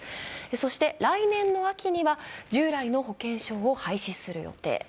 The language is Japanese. そして、来年の秋には従来の保険証を廃止する予定。